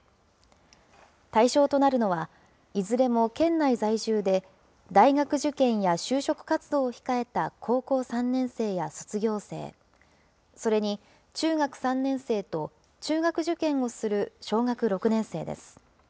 対象となるのは、いずれも県内在住で、大学受験や就職活動を控えた高校３年生や卒業生、それに中学３年生と中学受験をする小学６年生です。